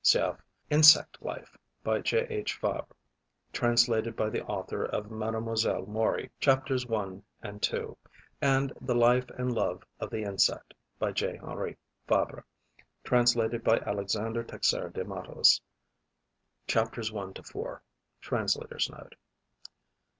Cf. "Insect Life", by J.H. Fabre, translated by the author of "Mademoiselle Mori": chapters 1 and 2; and "The Life and Love of the Insect", by J. Henri Fabre, translated by Alexander Teixeira de Mattos: chapters 1 to 4. Translator's Note.)